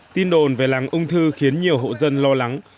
tin đồn về làng ung thư khiến nhiều hộ dân lo lắng